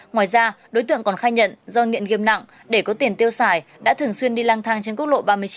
ngoài ra đối tượng còn khai nhận do nghiện gam nặng để có tiền tiêu xài đã thường xuyên đi lang thang trên quốc lộ ba mươi chín